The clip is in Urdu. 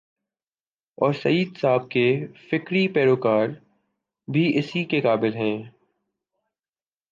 اورسید صاحب کے فکری پیرو کار بھی اسی کے قائل ہیں۔